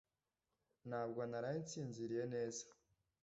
Ntabwo naraye nsinziriye neza